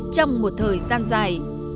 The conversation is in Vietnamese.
trong một thời gian dài